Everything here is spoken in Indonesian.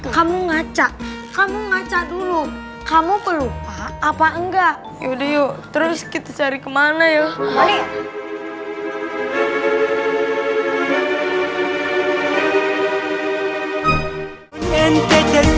kamu ngaca kamu ngaca dulu kamu perlu apa enggak yuk terus kita cari kemana yuk